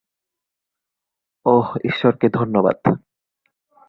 ওহ, ঈশ্বরকে ধন্যবাদ!